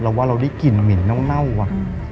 ว่าเราได้กลิ่นเหม็นเน่าว่ะ